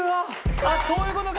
あっそういう事か。